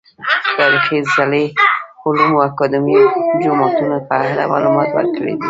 تاريخي څلي، علومو اکادميو، جوماتونه په اړه معلومات ورکړي دي